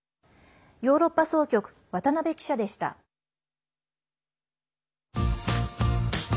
ヨーロッパ総局渡辺記者でした。